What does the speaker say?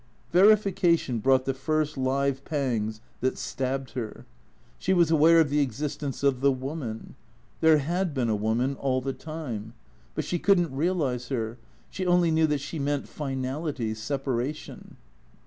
Verification brought the first live pangs that stabbed her. 88 THECEEATOKS She was aware of the existence of the woman. There had been a woman all the time. But she could n't realize her. She only knew that she meant finality, separation.